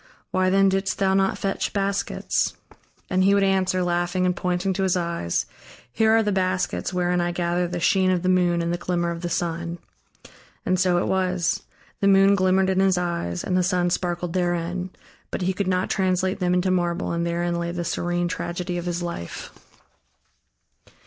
Why then didst thou not fetch baskets?" And he would answer, laughing and pointing to his eyes: "Here are the baskets wherein I gather the sheen of the moon and the glimmer of the sun." And so it was: the moon glimmered in his eyes and the sun sparkled therein. But he could not translate them into marble and therein lay the serene tragedy of his life.